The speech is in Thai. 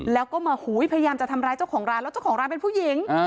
แล้วก็มาหูยพยายามจะทำร้ายเจ้าของร้านแล้วเจ้าของร้านเป็นผู้หญิง